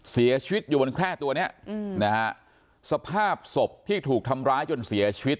เสียชีวิตอยู่บนแคร่ตัวเนี้ยอืมนะฮะสภาพศพที่ถูกทำร้ายจนเสียชีวิต